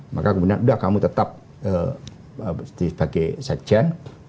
maka kemudian udah kamu tetap sebagai sekjen